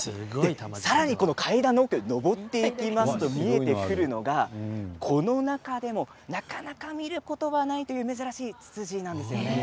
さらに階段を上っていきますと見えてくるのがこの中でも、なかなか見ることはないという珍しいツツジなんですよね。